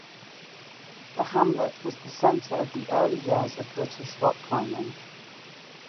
The hamlet was the centre of the early years of British rock climbing.